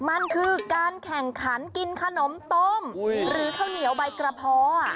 มันคือการแข่งขันกินขนมต้มหรือข้าวเหนียวใบกระเพาะ